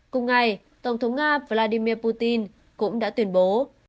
cùng ngày tổng thống nga vladimir putin cũng đã tuyên bố